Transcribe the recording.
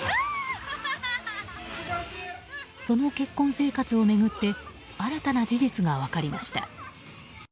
その結婚生活を巡って新たな事実が分かりました。